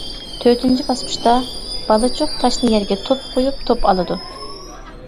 تۆتىنچى باسقۇچتا، بالىچۇق تاشنى يەرگە توپ قويۇپ توپ ئالىدۇ.